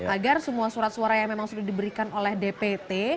agar semua surat suara yang memang sudah diberikan oleh dpt